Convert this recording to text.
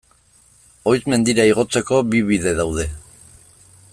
Oiz mendira igotzeko bi bide daude.